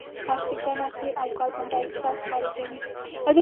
اکسیجن اخلي او کاربن دای اکساید خارجوي.